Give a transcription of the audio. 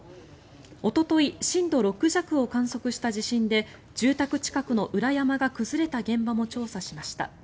おととい震度６弱を観測した地震で住宅近くの裏山が崩れた現場も調査しました。